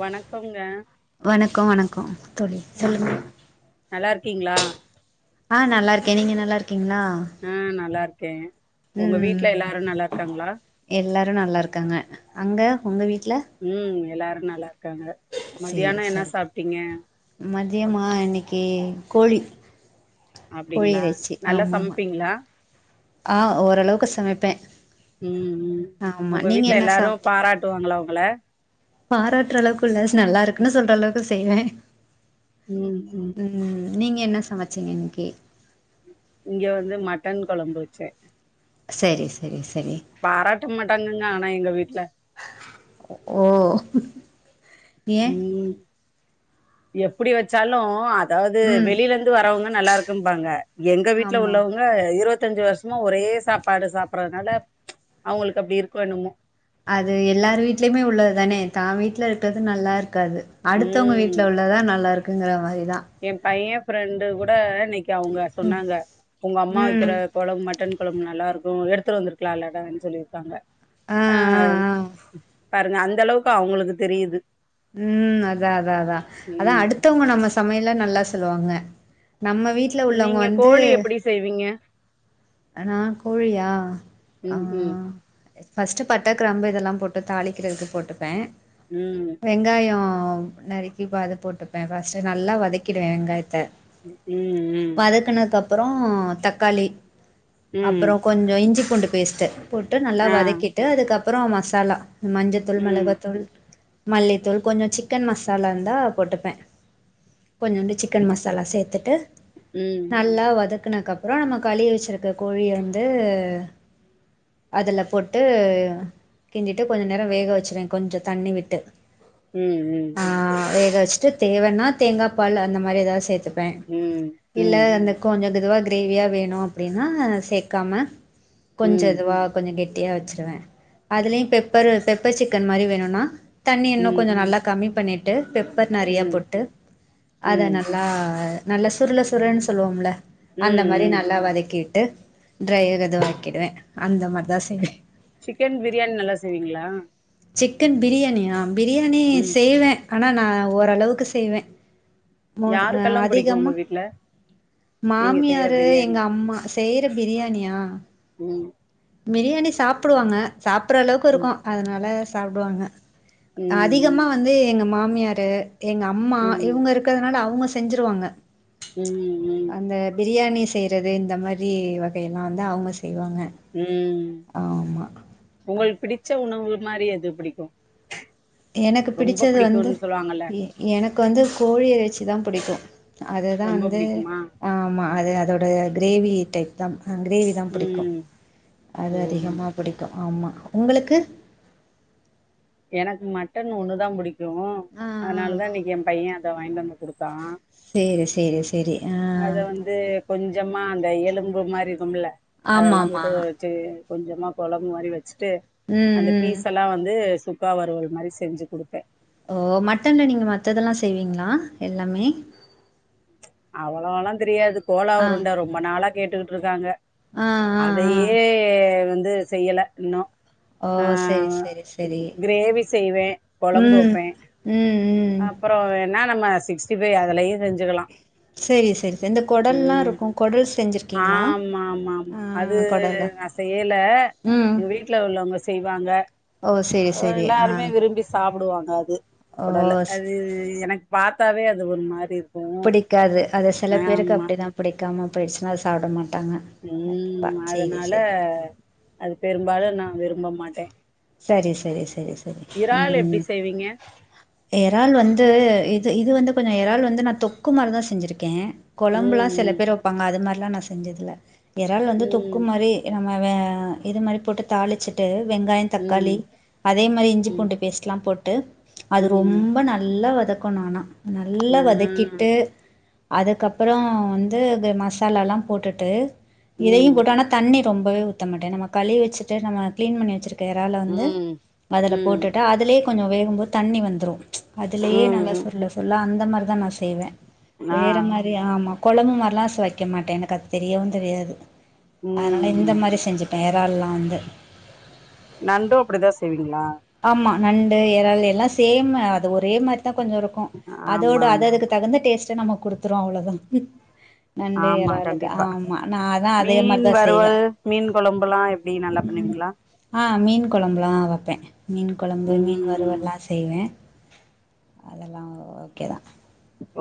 வணக்கம்ங்க வணக்கொ வணக்கொ தோழி சொல்லுங்க நல்லாருக்கீங்களா ஆ நல்லா இருக்கே நீங்க நல்லாருக் ம் நல்லா இருக்கே உங்க வீட்டு்ல எல்லாரு நல்லாருக்காங்களா நல்லாருக்காங்க அங்க உங்க வீட் ம் எல்லாரு நல்லாருக்காங்க சேரி மதியான என்னா சரி சாப்ட்டீங்க மதியமா இன்னைக்கு கோழி கோழி அப்டிங்களா இறைச்சி நல்லா ஆமாமா சமைப்பீங்களா ஆ ஓரளவுக்கு சமைப்பே ம் ம் ஆமா உங்க நீங்க வீட்டு்ல என்ன எல்லாரு சாப்ட்டீங்க பாராட்டுவாங்களா உங்கள பாராட்டுற அளவுக்கு இல்லஸ் நல்லாருக்குனு சொல்றளவுக்கு செய்வே ம் ம் நீங்க என்ன சமைச்சீங்க இன்னிக்கி இங்க வந்து மட்டன் கொழம்பு வச்சே செரி செரி ஸ் பாராட்ட மாட்டாங்கங்க ஆனா எங்க வீட்ல ஒ ஓ ஏ ம் எப்புடி வச்சாலு அ அதாது ம் வெளியில இருந்து வரவங்க நல்லா இருக்கும்பாங்க எங்க வீட்ல ஆமா உள்ளவங்க இரு வத்தஞ்சி வருஷமா ஒரே சாப்பாடு சாப்பறனால அவுங்களுக்கு அப்டி இருக்கோ என்னமோ அது எல்லார் வீட்லயுமே உள்ளதுதானே தா வீட்டுல இருக்கிறது நல்லா இரு க்காது அடுத்தவங்க ம் வீட்டுல உள்ளதா நல்லா இருக்குங்கிற மாரி எ பையன் ஃப்ரெண்டு கூட அன்னைக் கு அவுங்க சொன்னாங்க உங்க அம்மா ம் வைக்கிற கொளம்பு மட்டன் கொழம்பு நல்லாருக்கு எடுத்துட்டு வந்திருக்கலாம்லடா சொல்லிருக்காங்க ஆ பாருங்க அந்த அளவுக்கு அவுங்களுக்கு தெரியுது ம் அதா அதா அதா அதா ம் அடுத்தவங்க நம்ம சமையல நல்லா சொல்லுவாங்க நம்ம வீட்டுல உள்ளவங்க நீங்க வந்து கோழி எப்டி செய்வீங்க நா கோழியா ம் ம் அம் ஃபர்ஸ்ட்டு பட்டை கிராம்பு இதல்லா போட்டு தாளிக்கிறதுக்கு போட்டுப்பே ம் வெங்காயொ நறுக்கி பத போட்டுப்பே ஃபர்ஸ்ட்டு நல்லா வதக்கிடுவே வெங்காயத்த ம் வதக்குனக்கு அப்றோ தக்காளி ம் ம் அப்புறொ கொஞ்சொ இஞ்சி பூண்டு பேஸ்ட்டு போட்டு நல்லா ஆ வதக்கிட்டு அதுக்கப்புறோ மசாலா மஞ்சத்தூள் ம் மிளகாத்தூள் மல்லித்தூள் கொஞ்ச சிக்கன் மசாலா இருந்தா போட்டுப்பே கொஞ்சுண்டு சிக்கன் மசாலா சேத்துட்டு ம் நல்லா வதக் குனக்கப்பறொ நம்ம கழுவி வச்சிருக்க கோழிய வந்து அதுல போட்டு கிண்டிட்டு கொஞ்ச நேர வேக வச்சவே கொஞ்ச தண்ணி விட்டு ம் ம் பஸ்ட்டு தேவன்னா தேங்கா பால் அந்த மாரி ஏதாவது சேத்துப்பே ம் இல்ல ம் அந்த கொஞ்ச து அதுவா கிரேவியா வேணு அப்படின்னா சேக்காம ம் கொஞ்ச ம் இதுவா கொஞ்ச கெட் வச்சிருவ அதுலயும் பெப்பரு பெப்பர் சிக்கன் மாரி வேணுன்னா தண்ணி இன்னு கொஞ்ச நல்லா கம்மி பண்ணிட்டு பெப்பர் நெறையா ம் ம் போட்டு அத ம் நல்லா நல்ல சுருள சுருளன்னு சொல்லுவோம்ல அந்த மாரி ம் நல்லா வதக்கிட்டு ட்ரையாகது க்கிடுவே அந்த மாரிதா செய்வே சிக்கன் பிரியாணி நல்லா செய்வீங்களா சிக்கன் பிரியாணியா பிரியாணி ம் செய்வே ஆனா நா ஓரளவுக்கு செய்வே இன்று அத ஆ யாருக்கெல்லா பிடிக்கு உங்க அதிகமா வீட்ல நீங்க செய்யற மாமியாரு பிரியாணி எங்க அம்மா செய்ற பிரியாணியா ம் பிரியாணி சாப்புடுவாங்க சாப்புற அளவுக்கு இருக்கும் ம் அதனால சாப்டுவாங்க ம் அதிகமா ம் வந்து எங்க மாமியாரு எங்க அம்மா ம் இவுங்க இருக்கறதுனால அவுங்க செஞ்சிருவாங்க ம் ம் அந்த பிரியாணி செய்றது இந்த மாரி வகையெல்லா வந்து அவுங்க ம் உங்களுக்கு பிடிச்ச உணவு மாரி எது புடிக்கும் எனக்கு பிடிச்சது வந்து சொல்லுவாங்கல்ல எ எனக் கு வந்து கோழி எறைச்சிதா பிடிக்கும் அதுதா ரொம்ப வந்து பிடிக்குமா ஆமா அது அதோட கிரேவி டைப்தா ஆ கிரேவிதா பிடிக்கும் ம் அது ம் அதிகமாக பிடிக்கும் ஆமா உங்களுக்கு எனக்கு மட்டன் ஒன்னுதா புடிக்கும் ஆ ஆ அதனாலதா இன்னைக்கு ஏ பையன் அத வாங்கிண்டு வந்து குடுத்தா சேரி சேரி சேரி ஆ அத வந்து கொஞ்சமா அந்த எலும்பு மாரி இருக்கும்ல அதெல்லா ஆமாம்மா போட்டு வச்சி கொஞ்சமா கொழம்பு மாரி வச்சுட்டு ம் அந்த ம் பீஸெல்லா வந்து சுக் க்கா வறுவல் மாரி செஞ்சு குடுப்பே ஓ மட்டன்ல நீங்க மத்ததெல்லா செய்வீங்களா எல்லாமே அவ்வளோல்லா தெரியாது கோலா ஆ உருண்ட ரொம்ப நாளா கேட்டுட்டு இருக்காங்க ஆ ஆ ஆ அதையே வந்து செய்யல இன்னு ஓ ஆ சரி சரி சரி கிரேவி செய்வே கொழம்பு ம் வப்பே ம் ம் அப்புற வேணா நம்ம சிக்ஸ்டி ஃபைவ் அதுலயு செஞ்சுக்கலா சேரி செரி செரி இந்த கொடல்லா இருக்கும் கொடல் செஞ்சிருக்கீங்களா ஆமா ஆமா ஆமா ஆ கொடல் அது நா செய்யல எங்க வீட்ல உள்ளவங்க செய்வாங்க ஓ சரி ஆ சரி எல்லாருமே விரும்பி சாப்புடுவாங்க அது ஓ கொடல ஸ் அது இது எனக்கு பாத்தாவே அது ஒரு மாரி இருக் புடிக்காது அது சில பேருக்கு அப்டிதா புடிக்காம போயிடுச்சுன்னா அத சாப்ட மாட் ம் அதனால அது பெரும்பாலு நா விரும்ப மாட்டே சரி சரி சரி சரி இறால் எப்டி ம் செய்வீங்க எறால் வந்து இது இது வந்து கொஞ்ச எறால் வந்து நா தொக்கு மாரிதா செஞ்சிருக்கே கொழம்புலா செல ம் பேர் வெப்பாங்க அது மாரி ல்லா நா செஞ்சதுல்ல எறால் வந்து தொக்கு ம் மாரி ஏனா அப் வே இது மாரி போட்டு தாளிச்சிட்டு வெங்காய தக்காளி ம் அதே மாரி இஞ்சி ம் பூண்டு பேஸ்ட்லா போட்டு அது ம் ரொம்ப நல்ல வதக் கணு ஆனா ம் நல்லா ஆ வதக்கிட்டு அதுக்கப்புற வந்து இந்த மசாலால்லா போட்டுட்டு ம் இதையும் போட்டு ஆனா தண்ணி ரொம்பவே ஊத்தமாட்டே நம்ம கழுவி வச்சுட்டு நம்ம கிளீன் பண்ணி வச்சிருக்க வேல வந்து ம் அதுல ம் போட்டுட்டு அதுலயே கொஞ்ச வேகும்போது தண்ணி வந்துரு அதுலயே ம் நல்லா ம் சுருள சுருள அந்த மாரிதா நா செய்வ ஆ வேற மாரி ஆமா கொழம்பு மாரில்லாஸ் வக்க மாட்டே எனக் அது தெரியவும் தெரியாது அதனால இந்த ம் மாரி செஞ்சுப்பே ய ல்லா வந்து நண்டும் அப்டிதா செய்வீங்களா ஆமா நண்டு எறால் எல்லா சேம்மு அது ஒரே மாரி தா கொஞ்சோ இருக்கும் ஆமா அதோட அது ஆமா ஆமா அதுக்கு தகுந்த டேஸ்ட்ட நம்ம குடுத்துருவோ அவ்ளோதா ஆமா கண்டிப்பா அதான் அதே மாரி மீன் தான் செய்வேன் வறுவல் மீன் கொழம்புல்லா எப்டி நல்லா பண்ணுவீ ங்ளா அ மீன் கொலம்புலா வப்பே மீன் கொலம்பு மீன் ம் வருறுவல்லா செய்வே அதல்லா ஓகேதா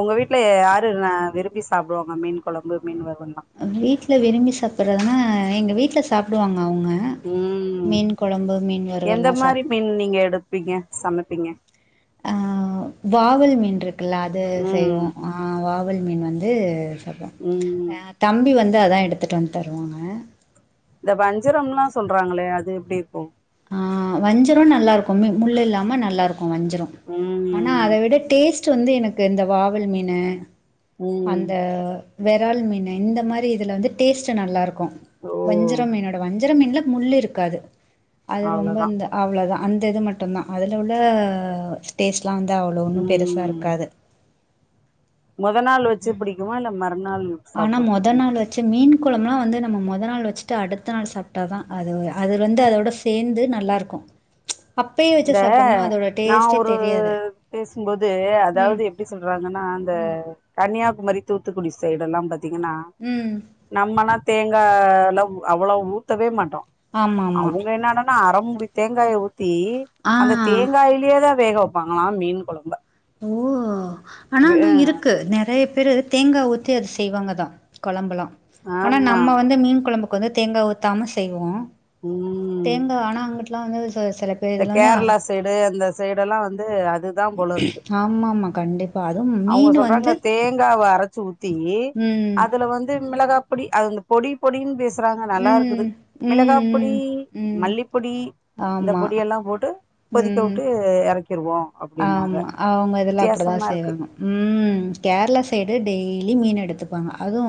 ஒங்க வீட்ல யாரு ந விரும்பி சாப்டுவாங்க மீன் கொலம்பு மீன் வருவ் வீட்ல விரும்பி சப்புறதுனா எங்க வீட்ல சாப்டுவாங் ம் மீன் எந்த வறுவல்லா சாப் மாரி மீன் நீங்க எடுப்பீங்க சமப்பீங்க அ வாவல் மீன்ருக்குல்ல அது செய்வோ ம் ஆ வாவ் வல் மீன் வந்து ம் [unintelligible] அ தம்பி வந்து அதா எடுத்துட் வந் தருவாங்க இந்த வஞ்சரம்லா சொல்றாங்களே அது எப்டிர்க்கு அ வஞ்சரொ நல்லாருக்கு மி முள் இல்லாம நல்லாருக்கு வஞ்சரொ அனா அத ம் விட டேஸ் வந்து எனக்கு இந்த வாவல் மீன ம் அந்த வெறால் மீன இந்த மாரி இதுல வந்து டேஸ்ட்டு நல்லாருக்கு ஓ வஞ்சரமீனோட வஞ்சரம் மீன்ல முள் இருக்காது அது ரொம்ப அவ்ளோதா இந்த அவ்ளோதா அந்த இது மட்டுந்தா அதுல உள்ள டேஸ்ட்லா வந்து அவ்ளோ ஒன்னு பெருசா ம் இருக்காது மொத நாள் வச்சத் புடிக்குமா இல்ல மறுநாள் ஆனா சாப்ட மொத பிடிக்குமா நாள் வச்சம் மீன் கொலம்லா வந்து நம்ம மொத நாள் வச்சிட்டு அடுத்த நாள் சாப்ட்டா தா அதவு அதர் வந்து அதோட சேந்து நல் அ ருக்கு இந்த நா ஒரு தெரியாது. பேசும்போது ம். அதாவ்து எப்டி சொல்றாங்கனா த கன்னியாகுமரி தூத்துக்குடி சைடல்லா பத்தீங்கனா ம். நம்மனாத் தேங்கா லாவ் அவளவ் ஊத்தவே மாட்டோ ஆமாமா. அவுங்க என்னாடானா அறப் மூடி தேங்காய ஊத்தி ஆ. அந்த தேங்காயிலியே தா வேக வெப்பாங்களா மீன் கொலம்ப ஓ ஆனா நா இருக்கு நெறையப் பிரு தேங்கா ஊத்தி அத் செய்வாங்க தா கொலம்பலா அனா ஆமா நம்ம வந்து மீன் கொலம்பு கொந்து தேங்கா ஊத்தாம செய்வோ ம் தேங்கா ஆனா அங்குட்லா வந்து அது செல பே இந்த இதுல கேரளா சைடு அந்த சைடெல்லா வந்து அதுதா [unintelligible] ஆமம்மா அவுங்க சொல்றாங்க தேங்காவ அர சூத்தி ம். அதுல வந்து மிளகாப்புடி அதுந்த பொடி பொடின் பேஸ் க்றாங்க நல்லா இருக்குது ம் ம் மிளகாப்புடி ம் ம் மல்லிப்பொடி இந்த ஆமா பொடியெல்லா போட்டு கொதிக்க உட்டு எறக் ஆம்மா அவுங்க இதுலா அப்புடுதா வித்தியாசமா இருக்கு செய்வாங்க ம் கேர்ளா சைடு டெய்லி மீன் எடுத்துப்பாங்க அது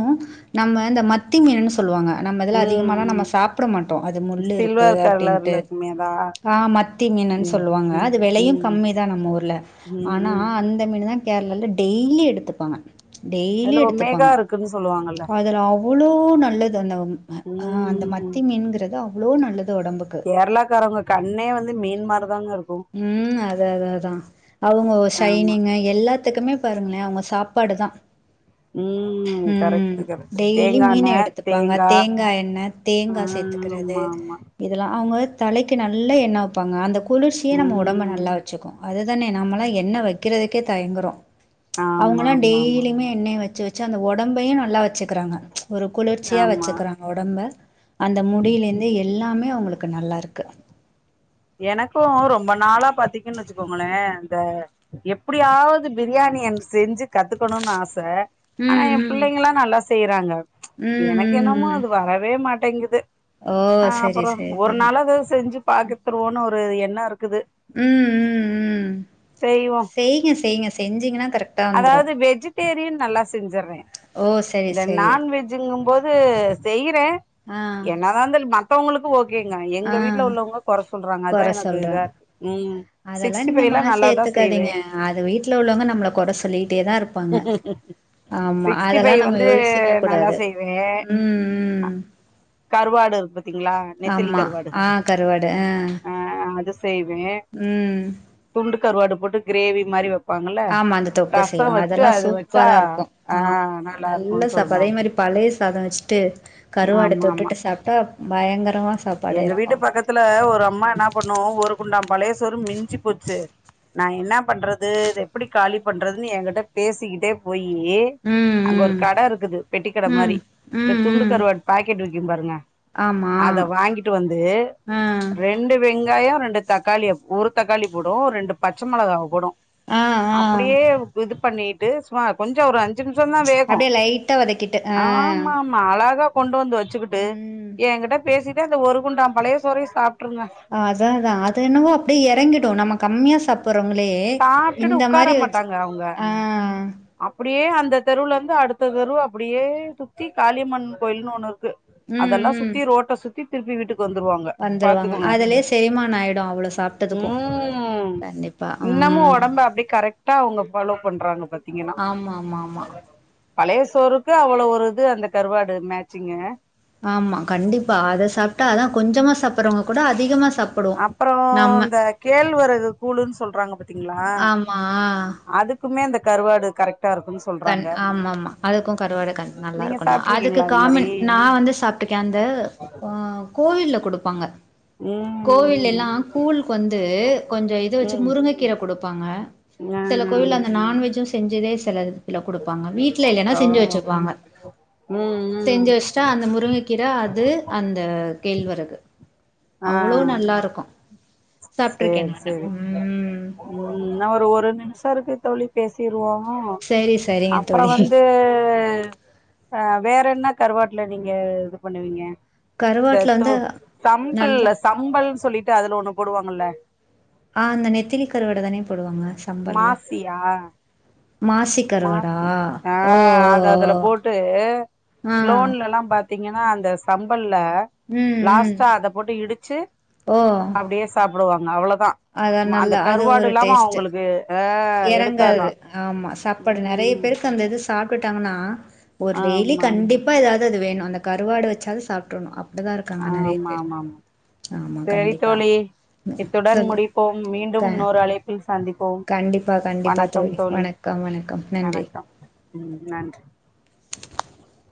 நம்ம இந்த மத்தி மீனுன்னு சொல்லுவாங்க நம்ம இதுல ம் அதிகமால்லா நம்ம ம் சாப்புட மாட்டோ அது முள்ளு இருக்கு சில்வர் அப்டின்ட்டு கலர்ல இருக்குமே அதா ஆ மத்தி மீ என்னன் ம் சொல்லுவாங்க ம் அது வெலையு ம் கம்மி தா நம்ம ஊர்ல ம் ஆனா ம் அந்த மீனு தா கேர்ளால டெய்லி எடுத்துப்பாங்க டெய்லி அதுல ஒமேகா எடுத்துப்பாங்க இருக்குன்னு சொல்லுவாங்கல்ல அதுல அவுளோ நல்லது அந்த உம் அ அந்த மத்தி மீன்ங்குறது அவ்ளோ நல்லத் கேர்ளா காரவ்ங்க கண்ணே வந்து மீன் மார்தாங்கருக் ம் அது அது அதா அவுங்க ஒ ஆமா சைனிங்க எல்லாத்துக்குமே பருங்ளே அவுங்க சாப்பாடு தா ம் ம் கரெக்ட் கரெக்ட் டெய்லி தேங்கா மீன எண்ண எடுத்துப்பாங்க தேங்கா என்ன தேங்கா ஆ செ எத்துக்குறது ஆமா ஆமா இதலா அவுங்க தலக்கு நல்ல எண்ண வப்பாங்க அந்த குளிர்ச்சியே நம்ம உடம்ப ம் நல்லா வச்சிக்கு அதுதானே நாம்மலா எண்ண வக்கிறதுக்கே தயங்குறோ ஆமா அவுங்கலா ஆமா ஆமா டெய்லிமே எண்ணய வச்சு வச் அந்த ஒடம்பையு நல்லா வச்சு குறாங்க ஒரு குளர்ச்சியா ஆமா வச்சுக்குறாங்க ஒடம்ப அந்த முடியிலேந்து எல்லாமே மே அவுங்ளுக்கு நல்லாருக்கு எனக்கு ரொம்ப நாளா பாத்தீங்கன் வெச்சிக்கோங்களேன் த எப்புடியாவது பிரியார் [unintelligible] செஞ்சு கத்துக்கணுன் ஆச அனா ம் எ ம் புள்ளைங்காளா நல்லா செய்றாங்க ம் எனக்கு என்னமோ ம் ம் அது வரவே மாட்டேங்குது ஓ அ சரி அப்பறம் சரி ஒரு சரி நாள் அது செஞ்சு பாக்கு ஒரு எண்ணருக் ம் ம் ம் செய்வோ செய்ங்க செய்ங்க செஞ்சீங்கன்னா கரெக்ட் அதாவது வெஜிடேரியன் நல்லா செஞ்சறேன் ஓ சரி இந்த சரி நான்வேஜ்ங்கும்போது து செய்யிறே ஆ என்னதா இருந்தாலு மத்தவங்களுக்கு ஓக் கேங்க ஆ எங்க வீட்ல உள்ளவுங்க கொற சொல்றாங்க அதா கொற எனக்கு சொல்ற இதா இருக்கு ம் சிக்ஸ்டிஃபைலா நல்லாதா செய்வே க்காதீங்க அது வீட்ல உள்ளவுங்க நம்மள கொற சொல்லிகிட்டேதா இருப்பாங்க ஆமா சிக்ஸ்டி அதெல்லா ஃபைவ் நம்ம வந்து யோசிசிக்க நல்லா கூடாது செய்வே ம் ம் கருவாடு இருக்கு பத்தீங்ளா நெத்திலி ஆமா கருவாடு ஆ கருவாடு ஆ அ அத செய்வே ம் துண்டு கருவாடு போட்டு கிரேவி மாரி வப் ஆமா அந்த தொக்க செய்வ அதெல்லா வச்சா சூப்பரா இருக்கூ ஆ ஆமா நல்லா நல்ல இருக்குன்னு சாப்பாடு அதே சொல்லுவாங்க மாரி ப பழய சாத வச்ட்டு கருவாட ஆமா ஆமா தொட்டுட்டு சாப்ட்டா பயங்கரமா சாப்பாடு எங்க வீட்டு எறங்கு பக்கத்துல ஒரு அம்மா என்னா பண்ணு ஒரு குண்டா பழைய சோறு மிஞ்சு போச்சு நா என்னா பண்றது இத எப்டி காலி பண்றதுன்னு என்கிட்ட பேசிக்கிட்டே போய் யி அங்க ஒரு ம் கட இருக்குது பெட்டி கட ம் ம் மாரி இந்த ம் துண்டு ம் கருவாடு பாக்கெட் வச் க்கும் பாருங்க ஆமா கிட்டு வந்து ஆ ரெண்டு வெங்காயம் ரெண்டு தக்காளிய ஒரு தக்காளி போடு ரெண்டு பச்ச மெளகாவ போடு ஆ ஆ அப்டியே இது பண்ணிட்டு சும்மா கொஞ்ஜ ஒரு அஞ்சு ஜிம்சம் தா வேகு அப்டியே லைட்டா வதக்கிட்டு ஆ ஆமா ஆமா அழகா கொண்டு வந்து வச்சுகிட்டு ம் ஏங்கிட்ட பேசிட்டே அந்த ஒரு குண்டாம் பழைய சோறயு சாப் அதாதா அது என்னவோ அப்டியே எறங்கிடு நம்ம கம்மியா சாப் போறவுங்களே சாப்ட்டுட்டு இந்த மாரி வச் ஆ அப்டியே அந்த தெருவுல இருந்து அடுத்த தெருவு அப்டியே சுத்தி காளியம்மன் கோயில்னு ஒண்ணு இருக் ம் அதெல்லா ம் சுத்தி ரோட்ட சுத்தி திருப்பி வீட்டுக் கு வந்துருவாங்க வந்துருவாங்க பாத்துக்கொங்க அதுலயே செரிமானோ ஆயிடு அவ்ளோ சாப்ட்டதுக்கு ம் கண்டிப்பா இன்னமு ம் ஒடம்ப அப்டே கரெக்டா அவுங்க ஃபாலோ பண்றாங்க பாத்தீங்கன்னா ஆமா ஆமா ஆமா பழைய சோறுக்கு அவ்வளவு ஒரு இது அந்த கருவாடு மேட்சிங்கு ஆமா கண்டிப்பா அத சாப்ட்டா அதா கொஞ்சமா சாப்பறவங்க கூட அதிகமா சாப்புடுவோ அப்பறோ நம்ம இந்த கேழ்வரகு கூழுன் சொல்றாங்க பாத்தீங்ளா ஆமா அதுக்குமே இந்த கருவாடு கரெக்ட் கண் ஆமா ஆமா அதுக்கூ கருவாடு கண் நல்லா நீங்க இருக்கு நா அதுக்கு சாப்ட்ருக்கீங்களா அது மாரி காமன் நா வந்து சாப்ட்ருக்கே அந் த கோவில்ல கொடுப்பாங்க ம் கோவில்ல எல்லா கூல்க்கு வந்து கொஞ்ஜ இது வச்சு ம் முருங்க கீர கொடுப்பாங்க செல கோவில்ல அந்த நான்வெஜும் செஞ்சதே செலது இல குடுப்பாங்க வீட்ல இல்லேன்னா ஆ செஞ்சு ஓ வச்சுப்பாங்க ம் ம் செஞ்சு வச்ட்டா அந்த முருங்கை கீர அது அந்த கேழ்வரகு ஆ அவ்ளோ நல்லா இருக்கூ சேரி சேரி ம் நா ஒரு ஒரு நிமிஷ இருக்கு தோழி பேசிற்வோ சரி சரிங்க அப்பற தோழி வந்து வேற என்ன கருவாட்ல நீங்க இது பண்ணுவீங்க த கருவாட்டுல டோ வந்து நல்லா சம்பல்ல சம்பல்ன் சொல்லிட்டு அதுல ஒண்ணு போடுவாங்கல ஆ அந்த நெத்திலி கருவாட தானே போடுவாங்க சம்பல்ல மாசியா மாசி கருவாடா மாசி ஆ ஓ ஓ அது அதுல போட்டு ஆ ஸ்லோன்ல லாம் பாத் பாத்தீங்கன்னா அந்த சம்பல்ல ம் ம் லாஸ்டா அத போட்டு இடிச்சு ஓ அப்டியே சாப்டுவாங்க அவ்ளதா அதா அந்த நல்லா அது ஒரு கருவாடுல்லாம டேஸ்ட்டு அவுங்களுக்கு எறங்காது ஆமா சாப்பாடு நெறய ம் பேருக்கு அந்த இது சாப்ட்டுட்டாங்கனா ஒரு டெய்லி ஆமா கண்டிப்பா எதாவது அது வேணு அந்த கருவாடு வெச்சாவது சாப்ட்டரணு அப்டிதா இருக்காங்க நெறய ஆமா பேரு ஆமா ஆமா ஆமா சரி கண்டிப்பா தோழி இத்துடன் சொல்லு முடிப்போம் மீண்டும் க இன்னொரு அழைப்பில் சந்திப்போம் கண்டிப்பா கண்டிப்பா தோழி வணக்கம் வணக்கம் நன்றி வணக்கம் ம் நன்றி [unintelligible]